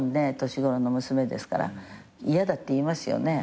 年頃の娘ですから嫌だって言いますよね。